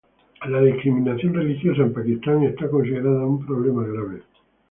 La discriminación religiosa en Pakistán es considerada un problema grave.